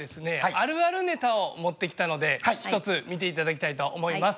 あるあるネタを持ってきたので一つ見て頂きたいと思います。